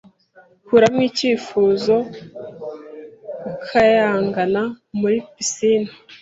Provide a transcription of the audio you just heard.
Kuramo icyifuzo Gukayangana muri pisine